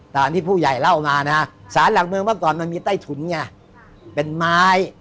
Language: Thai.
ตามที่ผู้ใหญ่เล่ามานะฮะสารหลักเมืองเมื่อก่อนมันมีใต้ถุนไงเป็นไม้